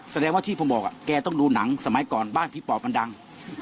แสดงว่าที่ผมบอกแกต้องดูหนังสมัยก่อนบ้านพี่ปอบมันดัง